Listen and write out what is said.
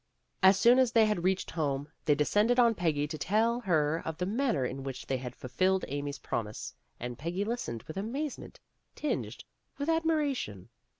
As soon as they had reached home, they descended on Peggy to tell her of the manner in which they had ful filled Amy's promise, and Peggy listened with amazement tinged with admiration.